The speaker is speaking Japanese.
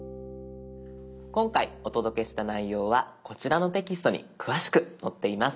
今回お届けした内容はこちらのテキストに詳しく載っています。